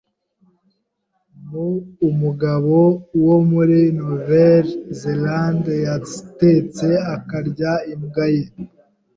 Mu , umugabo wo muri Nouvelle-Zélande yatetse akarya imbwa ye.